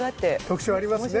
特徴ありますね。